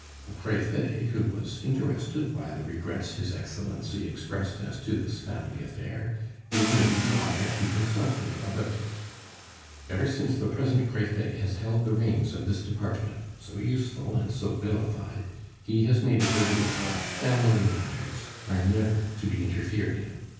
The Prefet, who was interested by the regrets his Excellency expressed as to this family affair, did me the honor to consult me about it. "Ever since the present Prefet has held the reins of this department so useful and so vilified he has made it a rule that family matters are never to be interfered in.